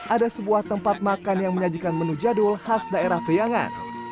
ada sebuah tempat makan yang menyajikan menu jadul khas daerah priangan